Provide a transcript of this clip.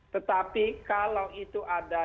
tetapi kalau itu ada